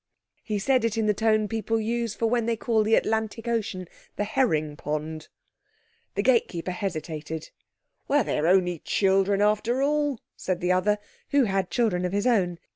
He said it in the tone people use for when they call the Atlantic Ocean the "herring pond". The gatekeeper hesitated. "They're only children, after all," said the other, who had children of his own.